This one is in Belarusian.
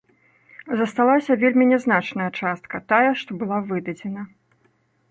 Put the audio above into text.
Засталася вельмі нязначная частка, тая, што была выдадзена.